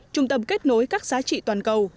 trung tâm kết nối các giá trị toàn cầu